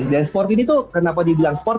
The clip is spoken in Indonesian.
dan sport ini tuh kenapa dibilang sport